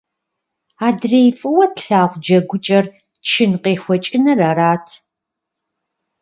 Адрей фӀыуэ тлъагъу джэгукӀэр чын къехуэкӀыныр арат.